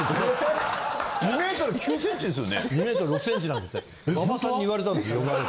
２ｍ６ｃｍなんですって馬場さんに言われたんですよ。